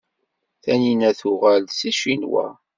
Tanina tuɣal-d seg Ccinwa.